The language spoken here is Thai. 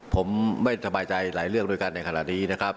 ผมไม่สบายใจหลายเรื่องด้วยกันในขณะนี้นะครับ